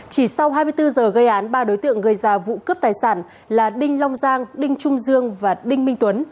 chỉ sau hai mươi bốn giờ gây án ba đối tượng gây ra vụ cướp tài sản là đinh long giang đinh trung dương và đinh minh tuấn